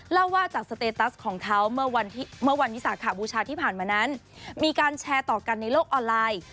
เล่าว่าจากสเตตัสของเขาเมื่อวันวิสาขบูชาที่ผ่านมานั้นมีการแชร์ต่อกันในโลกออนไลน์